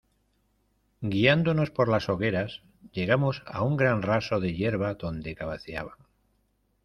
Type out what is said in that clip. guiándonos por las hogueras, llegamos a un gran raso de yerba donde cabeceaban